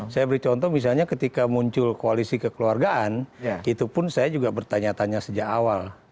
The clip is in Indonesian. saya beri contoh misalnya ketika muncul koalisi kekeluargaan itu pun saya juga bertanya tanya sejak awal